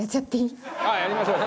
やりましょう！